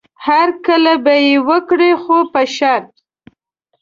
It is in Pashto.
هرکلی به یې وکړي خو په شرط.